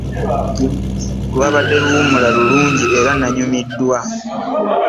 Lwabadde luwummula lulungi era nnanyumiddwa.